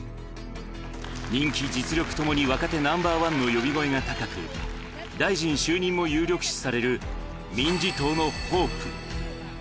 人気、実力ともに若手ナンバー１の呼び声が高く、大臣就任も有力視される民自党のホープ。